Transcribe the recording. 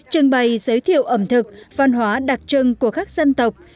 trưng bày giới thiệu ẩm thực văn hóa đặc trưng của các dân tộc